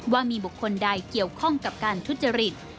ว่ามีบุคคลใดเกี่ยวข้องกับการทุจริต